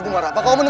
aku sudah mencari dia